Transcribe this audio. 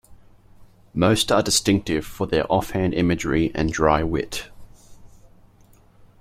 Most are distinctive for their offhand imagery and dry wit.